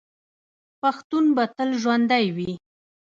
پښتون به تل ژوندی وي.